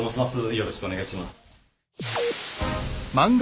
よろしくお願いします。